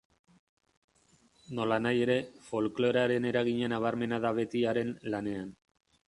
Nolanahi ere, folklorearen eragina nabarmena da beti haren lanean.